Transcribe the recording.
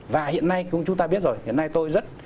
và hiện nay chúng ta biết rồi